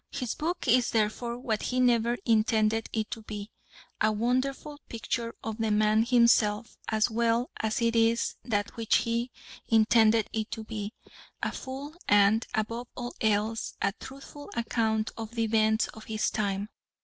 His book is therefore what he never intended it to be a wonderful picture of the man himself as well as it is that which he intended it to be a full and, above all else, a truthful account of the events of his time.